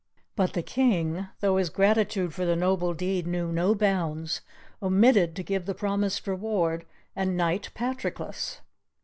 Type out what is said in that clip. But the King, though his gratitude for the noble deed knew no bounds, omitted to give the promised reward and knight Patroclus.